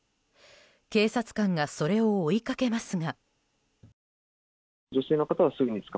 警察官がそれを追いかけますが。